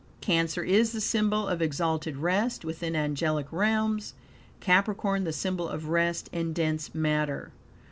Cancer is the symbol of exalted rest within angelic realms; Capricorn the symbol of rest in dense matter.